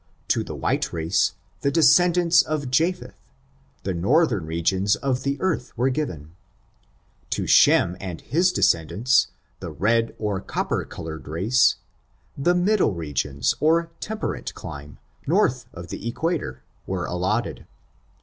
To the white race, the descendants of Japhet, the northern regions of ^^h^«^k^«^^^%^h^«^ 48 ORIGIN, CHARACTER, AND the earth were given. To Shem and his descendants, the red or copper colored race, the middle regions or temperate clime, north of the equator, was allotted.